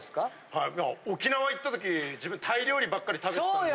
はいなんか沖縄行った時自分タイ料理ばっかり食べてたんで。